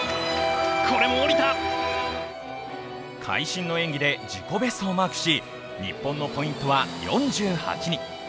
会心の演技で自己ベストをマークし日本のポイントは４８に。